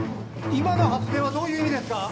今の発言はどういう意味ですか？